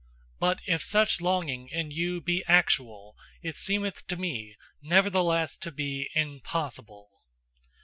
But if such longing in you be ACTUAL, it seemeth to me nevertheless to be IMPOSSIBLE.